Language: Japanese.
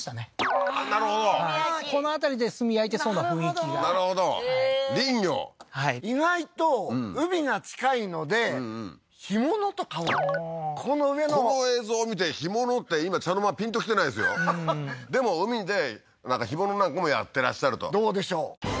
ああーなるほどこの辺りで炭焼いてそうな雰囲気がなるほど林業はい意外と海が近いので干物とかをこの上のこの映像を見て干物って今茶の間ピンときてないですよははっでも海でなんか干物なんかもやってらっしゃるとどうでしょう？